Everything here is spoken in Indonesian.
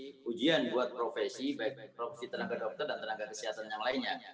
ini ujian buat profesi baik profesi tenaga dokter dan tenaga kesehatan yang lainnya